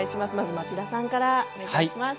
町田さんから、お願いします。